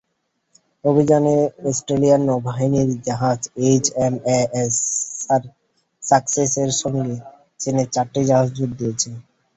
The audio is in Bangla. অভিযানে অস্ট্রেলিয়ার নৌবাহিনীর জাহাজ এইচএমএএস সাকসেসের সঙ্গে চীনের চারটি জাহাজ যোগ দিয়েছে।